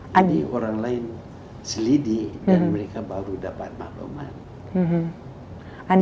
jadi orang lain selidik dan mereka baru dapat maklumat